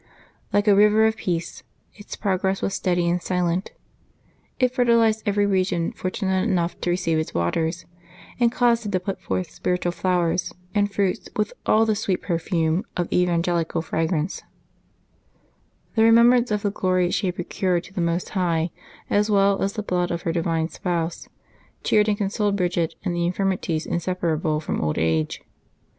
Like a river of peace, its prog ress was steady and silent ; it fertilized every region fortu nate enough to receive its waters, and caused it to put forth spiritual flowers and fruits with all the sweet per fume of evangelical fragrance. The remembrance of the glory she had procured to the Most High, as well as the services rendered to dear souls ransomed by the precious blood of her divine Spouse, cheered and consoled Brid gid in the infirmities inseparable from old age.